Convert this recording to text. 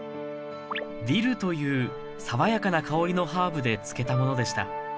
ディルという爽やかな香りのハーブで漬けたものでした